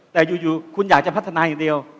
แต่อยู่คุณอยากจะพัฒนาอย่างเดียว